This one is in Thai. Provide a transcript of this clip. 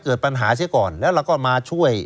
เกิดปัญหาเสียก่อนแล้วเราก็มาช่วย